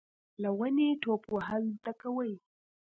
له ونې ټوپ وهل زده کوي .